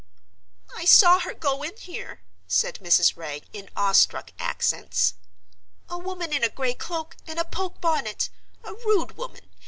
"I saw her go in here," said Mrs. Wragge, in awestruck accents. "A woman in a gray cloak and a poke bonnet. A rude woman.